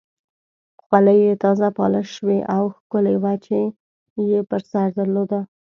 خولۍ یې تازه پالش شوې او ښکلې وه چې یې پر سر درلوده.